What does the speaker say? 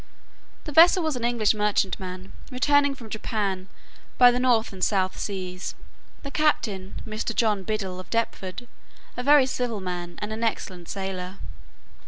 The vessel was an English merchantman, returning from Japan by the North and South seas; the captain, Mr. John Biddel, of Deptford, a very civil man, and an excellent sailor.